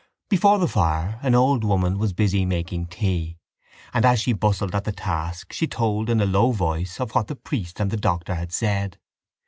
Before the fire an old woman was busy making tea and, as she bustled at the task, she told in a low voice of what the priest and the doctor had said.